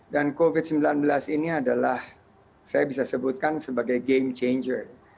dan covid sembilan belas ini adalah saya bisa sebutkan sebagai game changer